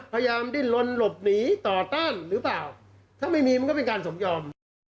ดิ้นลนหลบหนีต่อต้านหรือเปล่าถ้าไม่มีมันก็เป็นการสมยอม